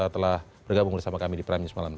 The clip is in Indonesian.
telah bergabung bersama kami di primenya semalam